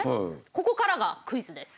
ここからがクイズです。